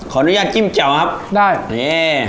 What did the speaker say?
ขออนุญาตจิ้มแจ่วครับได้นี่